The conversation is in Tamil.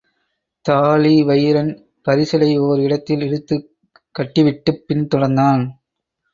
தாழிவயிறன் பரிசலை ஓர் இடத்தில் இழுத்துக் கட்டிவிட்டுப் பின்தொடர்ந்தான்.